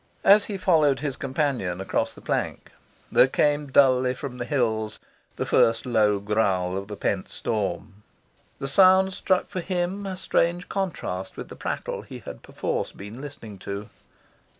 As he followed his companion across the plank, there came dully from the hills the first low growl of the pent storm. The sound struck for him a strange contrast with the prattle he had perforce been listening to.